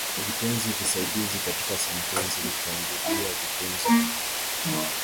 Vitenzi visaidizi katika sentensi hutangulia vitenzi vikuu